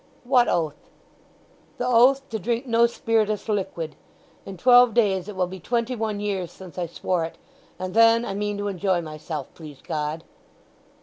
"What oath?" "The oath to drink no spirituous liquid. In twelve days it will be twenty one years since I swore it, and then I mean to enjoy myself, please God!"